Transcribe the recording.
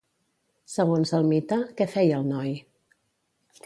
Segons el mite, què feia el noi?